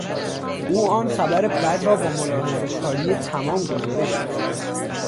او آن خبر بد را با ملاحظه کاری تمام گزارش داد.